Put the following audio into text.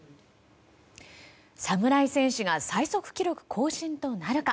侍戦士が最速記録更新となるか？